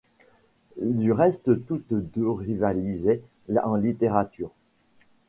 Du reste toutes deux rivalisaient en littérature.